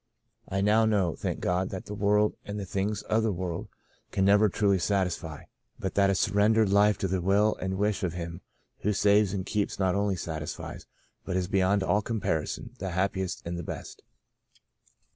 I now know, thank God, that the world and the things of the world can never truly sat isfy, but that a surrendered life to the will and wish of Him who saves and keeps not only satisfies, but is beyond all comparison the happiest and the best.